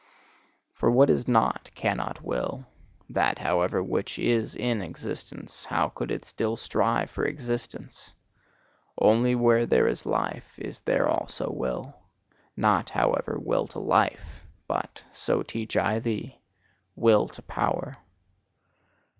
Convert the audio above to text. For what is not, cannot will; that, however, which is in existence how could it still strive for existence! Only where there is life, is there also will: not, however, Will to Life, but so teach I thee Will to Power!